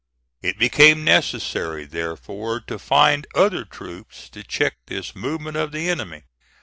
It became necessary, therefore, to find other troops to check this movement of the enemy.